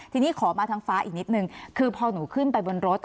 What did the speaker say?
ทีนี้ขอมาทางฟ้าอีกนิดนึงคือพอหนูขึ้นไปบนรถ